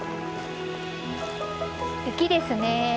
雪ですね。